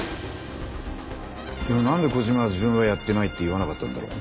でもなんで小島は自分はやってないって言わなかったんだろう？